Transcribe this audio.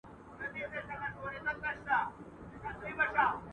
د مېز پر سر یوه قلمداني پرته ده.